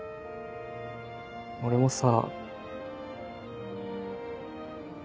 俺もさ。